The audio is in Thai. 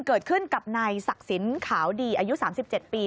เกิดขึ้นกับนายศักดิ์สินขาวดีอายุ๓๗ปี